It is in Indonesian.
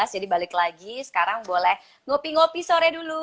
jadi balik lagi sekarang boleh ngopi ngopi sore dulu